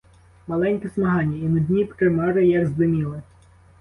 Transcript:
Маленьке змагання — і нудні примари як здиміли.